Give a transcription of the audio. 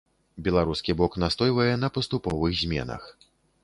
Беларускі бок настойвае на паступовых зменах.